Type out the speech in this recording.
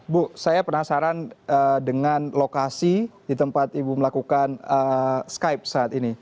bu saya penasaran dengan lokasi di tempat ibu melakukan skype saat ini